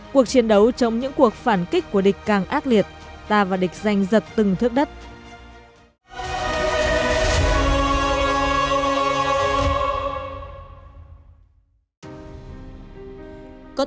cuộc chiến đấu chống những cuộc phản kích của địch càng ác liệt ta và địch danh giật từng thước đất